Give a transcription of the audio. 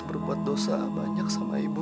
berbuat dosa banyak sama ibu